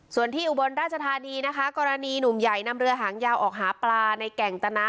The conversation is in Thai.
ส่วนที่อุบลราชธานีนะคะกรณีหนุ่มใหญ่นำเรือหางยาวออกหาปลาในแก่งตนะ